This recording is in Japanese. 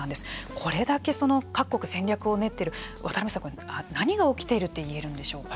これだけ各国、戦略を練っている渡辺さん、何が起きているといえるんでしょうか。